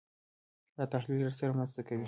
دا تحلیل راسره مرسته کوي.